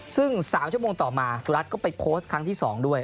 ซึ่ง๓ชั่วโมงต่อมาสุรัตนก็ไปโพสต์ครั้งที่๒ด้วย